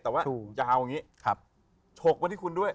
แต่ว่าจะเอาอย่างนี้ฉกมาที่คุณด้วย